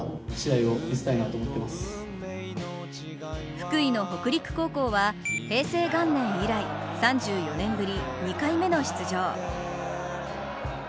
福井の北陸高校は平成元年以来３４年ぶり２回目の出場。